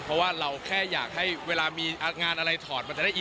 เพราะว่าเราแค่อยากให้เวลามีงานอะไรถอด